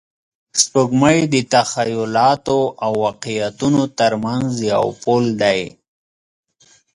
سپوږمۍ د تخیلاتو او واقعیتونو تر منځ یو پل دی